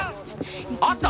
あった？